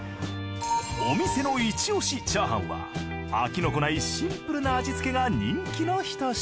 お店のイチオシチャーハンは飽きのこないシンプルな味付けが人気のひと品。